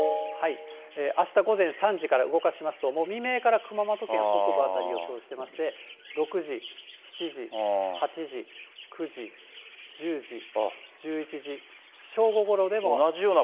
あした午前３時から動かしますと、もう未明から熊本県北部辺りを予想してまして、６時、７時、８時、９時、１０時、１１時、正午ごろでも。